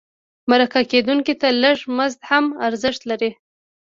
مرکه کېدونکي ته لږ مزد هم ارزښت لري.